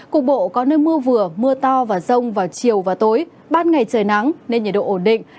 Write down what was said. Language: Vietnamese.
cục bộ có nơi mưa vừa mưa to và rông vào chiều và tối ban ngày trời nắng nên nhiệt độ ổn định